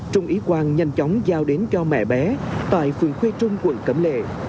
trung ý quang nhanh chóng giao đến cho mẹ bé tại phường khuê trung quận cẩm lệ